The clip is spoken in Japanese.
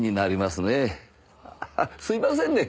すいませんね